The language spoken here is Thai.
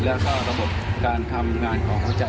แล้วก็ทิ้งแก่ความตายมากขนาดนี้